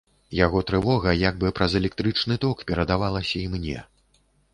Яго трывога як бы праз электрычны ток перадавалася і мне.